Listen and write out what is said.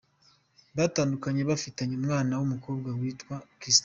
Batandukanye bafitanye umwana w’umukobwa witwa Crystal.